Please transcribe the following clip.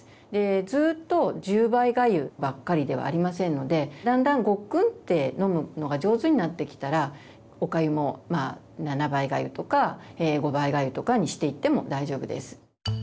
ずっと１０倍がゆばっかりではありませんのでだんだんごっくんって飲むのが上手になってきたらおかゆも７倍がゆとか５倍がゆとかにしていっても大丈夫です。